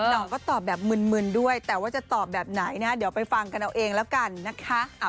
น้องก็ตอบแบบมึนด้วยแต่ว่าจะตอบแบบไหนนะเดี๋ยวไปฟังกันเอาเองแล้วกันนะคะ